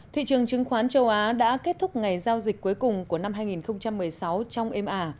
thị trường chứng khoán châu á đã kết thúc ngày giao dịch cuối cùng của năm hai nghìn một mươi sáu